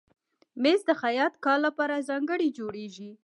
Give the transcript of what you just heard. مېز د خیاط کار لپاره ځانګړی جوړېږي.